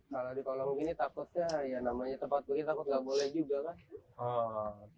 kalau di kolong gini takutnya ya namanya tempat begini takut nggak boleh juga kan